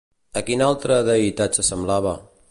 A quina altra deïtat s'assemblava?